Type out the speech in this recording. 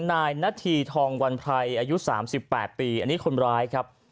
นายณทรีย์ธองวรรพลายอายุ๓๘ปีอันนี้คนร้ายครับ